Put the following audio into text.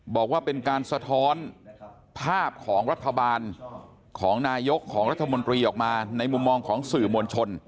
บอกว่าเป็นการสะท้อนภาพของรัฐบาลของนายกของรัฐมนตรีออกมาในมุมมองของสื่อมวลชน